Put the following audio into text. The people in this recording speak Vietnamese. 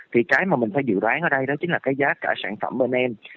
vì cái mà mình phải dự đoán ở đây đó chính là cái giá cả sản phẩm bên em